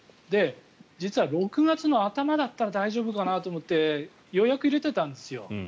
実は６月の頭だったら大丈夫かなと思って予約を入れてたんですよ。